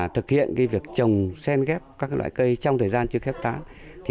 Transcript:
thực hiện việc trồng sen ghép các loại cây trong thời gian chưa khép tán